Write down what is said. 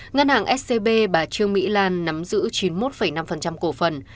ngân hàng scb bà trương mỹ lan nắm giữ chín mươi một năm cổ phần